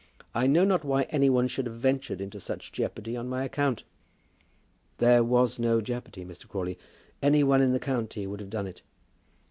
I know not why any one should have ventured into such jeopardy on my account." "There was no jeopardy, Mr. Crawley. Any one in the county would have done it."